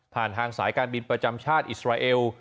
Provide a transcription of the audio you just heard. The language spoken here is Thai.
ทางสายการบินประจำชาติอิสราเอล